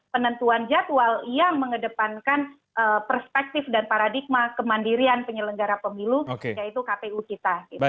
penentuan jadwal yang mengedepankan perspektif dan paradigma kemandirian penyelenggara pemilu yaitu kpu kita